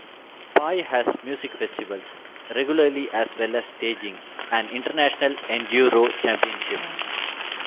Pai has music festivals regularly as well as staging an international Enduro championship.